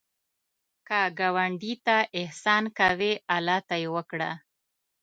که ګاونډي ته احسان کوې، الله ته یې وکړه